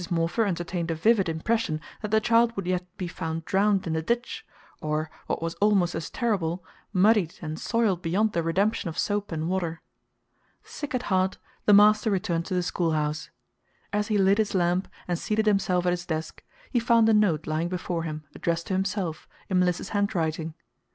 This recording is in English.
Morpher entertained a vivid impression that the child would yet be found drowned in a ditch, or, what was almost as terrible, muddied and soiled beyond the redemption of soap and water. Sick at heart, the master returned to the schoolhouse. As he lit his lamp and seated himself at his desk, he found a note lying before him addressed to himself, in Mliss's handwriting.